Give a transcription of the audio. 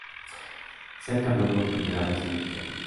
Ser campeón por primera vez en su historia.